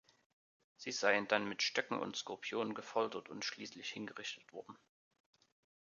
Sie seien dann mit Stöcken und Skorpionen gefoltert und schließlich hingerichtet worden.